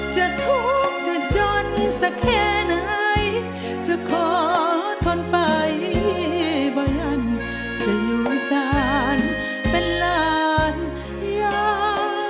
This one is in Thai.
จะทุกข์จะจนสักแค่ไหนจะขอทนไปบ้านจะอยู่ศาลเป็นหลานยา